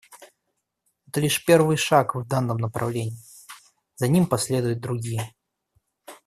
Это лишь первый шаг в данном направлении; за ним последуют другие.